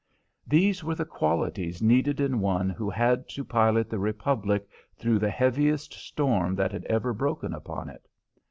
These were the qualities needed in one who had to pilot the Republic through the heaviest storm that had ever broken upon it.